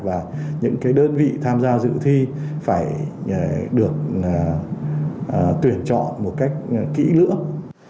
và những đơn vị tham gia dự thi phải được tuyển chọn một cách kỹ lưỡng